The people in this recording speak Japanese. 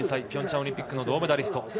ピョンチャンオリンピックの銅メダリスト。